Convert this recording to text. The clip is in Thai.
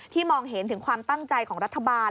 มองเห็นถึงความตั้งใจของรัฐบาล